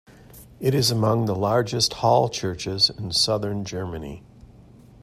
It is among the largest hall churches in southern Germany.